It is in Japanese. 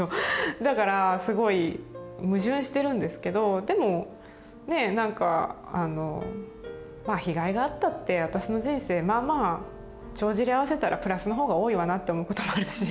だからすごい矛盾してるんですけどでもねなんか「まあ被害があったって私の人生まあまあ帳尻合わせたらプラスのほうが多いわな」って思うこともあるし。